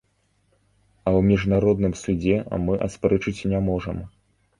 А ў міжнародным судзе мы аспрэчыць не можам.